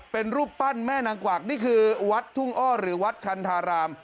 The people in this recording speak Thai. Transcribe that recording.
เป็นรูปปั้นแม่นางกวักนี่คือวัดทุ่งอ้อหรือวัดคันธาราม